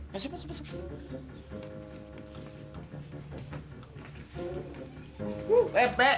masuk masuk masuk